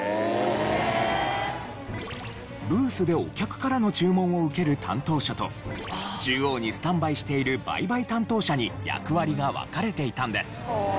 ブースでお客からの注文を受ける担当者と中央にスタンバイしている売買担当者に役割が分かれていたんです。